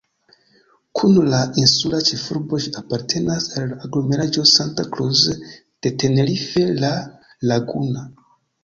Kun la insula ĉefurbo ĝi apartenas al la aglomeraĵo Santa Cruz de Tenerife-La Laguna.